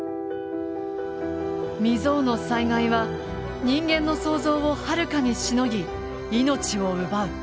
未曽有の災害は人間の想像をはるかにしのぎ命を奪う。